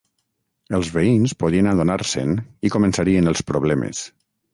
Els veïns podien adonar-se'n i començarien els problemes.